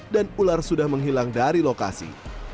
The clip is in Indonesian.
dan ular sudah menghilang dari lokasi